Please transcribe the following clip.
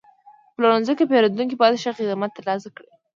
په پلورنځي کې پیرودونکي باید ښه خدمت ترلاسه کړي.